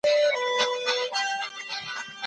د ميرمني احسانونه مه هيروئ.